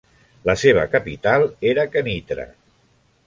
La seva capital era Kenitra.